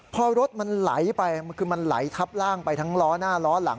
พอรถมันไหลไปคือมันไหลทับร่างไปทั้งล้อหน้าล้อหลัง